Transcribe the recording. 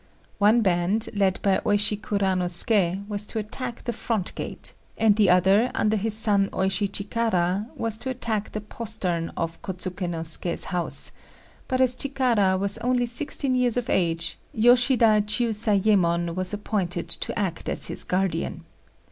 One band, led by Oishi Kuranosuké, was to attack the front gate, and the other, under his son Oishi Chikara, was to attack the postern of Kôtsuké no Suké's house; but as Chikara was only sixteen years of age, Yoshida Chiuzayémon was appointed to act as his guardian.